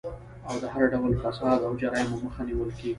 او د هر ډول فساد او جرايمو مخه نيول کيږي